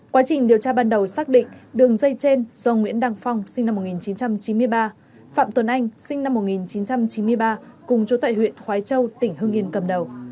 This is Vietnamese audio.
quá trình điều tra ban đầu xác định đường dây trên do nguyễn đăng phong sinh năm một nghìn chín trăm chín mươi ba phạm tuấn anh sinh năm một nghìn chín trăm chín mươi ba cùng chú tại huyện khói châu tỉnh hương yên cầm đầu